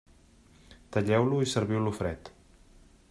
Talleu-lo i serviu-lo fred.